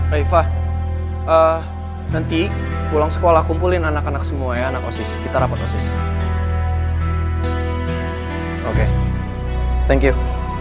raifah nanti pulang sekolah kumpulin anak anak semua ya anak osis kita rapat osis oke thank you